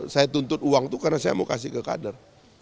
saya tuntut uang itu karena saya mau kasih ke kader